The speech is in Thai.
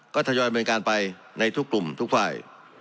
ก็ทะยอยเหมือนกันไปในทุกกลุ่มทุกฝ่าย